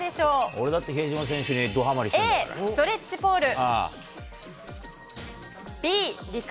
俺だって比江島選手にどはまＡ、ストレッチポール。